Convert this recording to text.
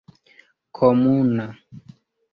komuna